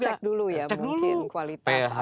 harus dicek dulu ya mungkin kualitas airnya